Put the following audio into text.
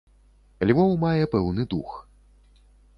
Львоў мае пэўны дух.